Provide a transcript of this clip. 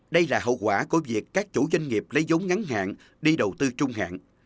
đây là hậu quả của việc các chủ doanh nghiệp lấy giống ngắn hạn đi đầu tư trung hạn